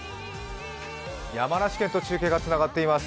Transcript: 山梨県と中継がつながっています。